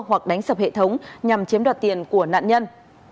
hoặc đánh sập hệ thống nhằm chiếm đoạt tiền của nạn nhân